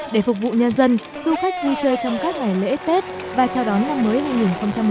để phục vụ nhân dân du khách vui chơi trong các ngày lễ tết và chào đón năm mới hai nghìn một mươi chín